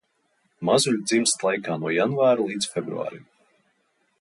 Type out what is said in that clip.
Mazuļi dzimst laikā no janvāra līdz februārim.